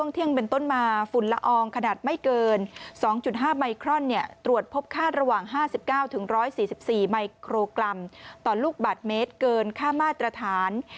ต่อลูกบัตรเมตรเกินข้าวมาตรฐาน